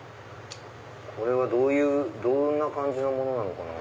これはどんな感じのものなのかな？